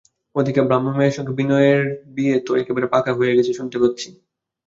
ও-দিকে ব্রাহ্ম মেয়ের সঙ্গে বিনয়ের বিয়ে তো একেবারে পাকা হয়ে গেছে শুনতে পাচ্ছি।